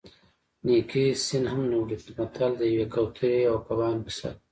نیکي سین هم نه وړي متل د یوې کوترې او کبانو کیسه ده